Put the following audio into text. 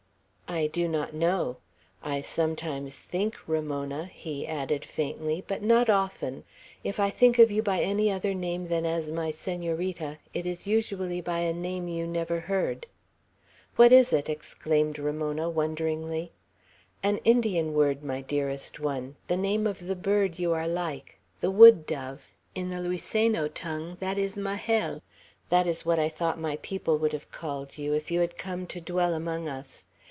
"I do not know. I sometimes think 'Ramona,'" he added faintly; "but not often. If I think of you by any other name than as my Senorita, it is usually by a name you never heard." "What is it?" exclaimed Ramona, wonderingly. "An Indian word, my dearest one, the name of the bird you are like, the wood dove. In the Luiseno tongue that is Majel; that was what I thought my people would have called you, if you had come to dwell among us.